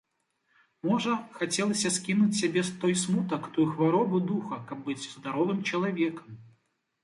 Можа, хацелася скінуць з сябе той смутак, тую хваробу духа, каб быць здаровым чалавекам?